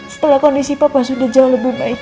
setelah kondisi papua sudah jauh lebih baik